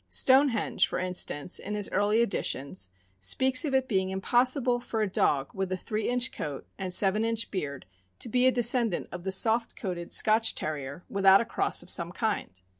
Stonehenge, for instance, in his early editions, speaks of its being impossible for a dog with a three inch coat and seven inch beard to be a descendant of the soft coated Scotch Terrier, without a cross of some kind.